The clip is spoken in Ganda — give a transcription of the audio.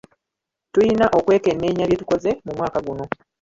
Tuyina okwekenneenya bye tukoze mu mwaka guno.